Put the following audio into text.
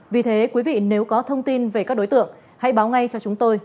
vì thế quý vị nếu có thông tin về các đối tượng hãy báo ngay cho chúng tôi